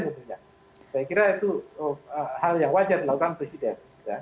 saya kira itu hal yang wajar dilakukan presiden